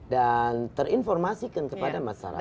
dan terinformasikan kepada masyarakat